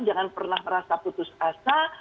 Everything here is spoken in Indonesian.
jangan pernah merasa putus asa